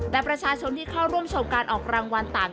แต่ประชาชนที่เข้าร่วมชมการออกรางวัลต่าง